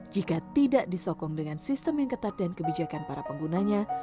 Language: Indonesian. jika tidak disokong dengan sistem yang ketat dan kebijakan para penggunanya